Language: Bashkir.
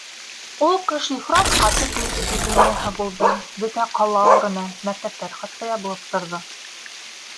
Ул ҡыш ифрат ҡаты грипп эпидемияһы булды, бөтә «ҡала» ауырыны, мәктәптәр хатта ябылып торҙо.